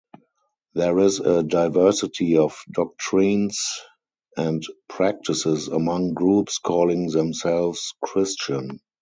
There is a diversity of doctrines and practices among groups calling themselves Christian.